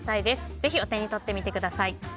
ぜひお手に取ってみてください。